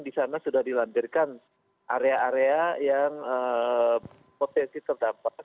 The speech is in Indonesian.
di sana sudah dilantirkan area area yang potensi tertampak